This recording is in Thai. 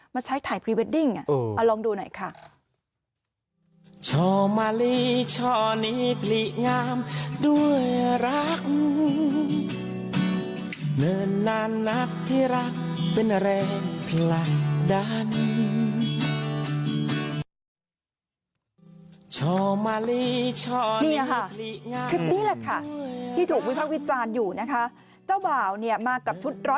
มาใช้ถ่ายพรีเวดดิ้งเอาลองดูหน่อยค่ะ